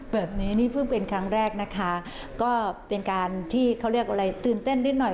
แบบนี้นี่เพิ่งเป็นครั้งแรกนะคะก็เป็นการที่เขาเรียกอะไรตื่นเต้นนิดหน่อย